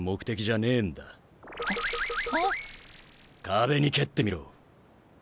壁に蹴ってみろ。